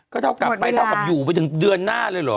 ก็ต้องกลับไปอยู่ไปถึงเดือนหน้าเลยเหรอ